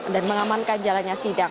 dan mengamankan jalannya sidang